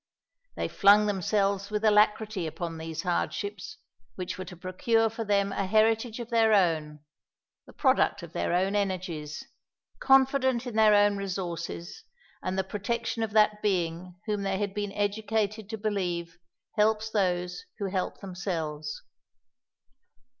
They flung themselves with alacrity upon these hardships, which were to procure for them a heritage of their own, the product of their own energies, confident in their own resources, and the protection of that Being whom they had been educated to believe helps those who help themselves.